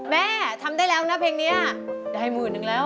แม่ทำได้แล้วนะเพลงนี้ได้หมื่นนึงแล้ว